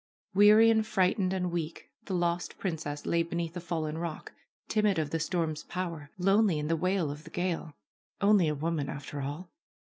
Weary, and frightened, and weak, the lost princess lay beneath a fallen rock, timid of the storm's power, lonely in the wail of the gale. Only a woman, after all